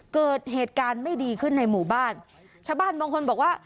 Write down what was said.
เกิดเหตุการณ์ไม่ดีขึ้นในหมู่บ้านชาวบ้านบางคนบอกว่า